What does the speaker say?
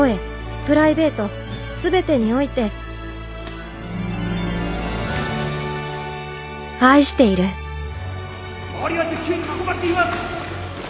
プライベート全てにおいて愛している周りは敵兵に囲まれています！